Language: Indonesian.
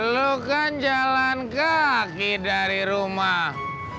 lu kan jalan kaki dari rumah